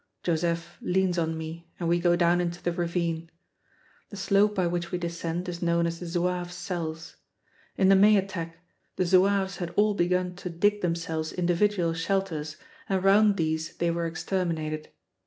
Joseph leans on me and we go down into the ravine. The slope by which we descend is known as the Zouaves' Cells. In the May attack, the Zouaves had all begun to dig themselves individual shelters, and round these they were exterminated.